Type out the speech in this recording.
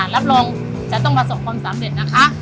รับรองจะต้องประสบความสำเร็จนะคะ